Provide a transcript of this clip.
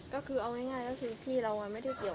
ก็คือเอาง่ายก็คือพี่เราไม่ได้เกี่ยว